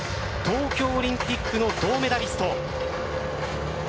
東京オリンピックの銅メダリスト。